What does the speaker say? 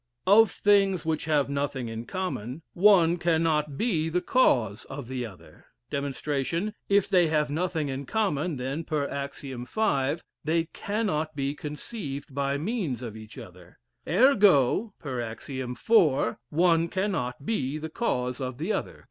Of things which have nothing in common, one cannot be the cause of the other. Dem. If they have nothing in common, then (per axiom five) they cannot be conceived by means of each other; ergo (per axiom four,) one cannot be the cause of the other.